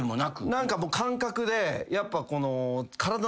何か感覚でやっぱ。